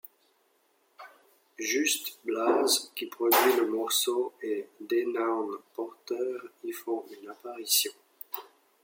Just Blaze, qui produit le morceau, et Denaun Porter y font une apparition.